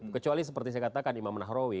kecuali seperti saya katakan imam nahrawi